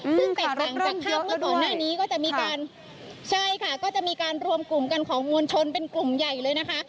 อยู่กันด้วยอ่ะนี่ก็จะมีการใช่ค่ะก็จะมีการรวมกลุ่มกันของงวลชนเป็นกลุ่มใหญ่เลยนะคะ